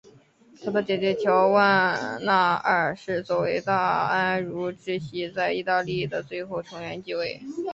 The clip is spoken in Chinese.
他的姐姐乔万娜二世作为大安茹支系在意大利的最后成员继位。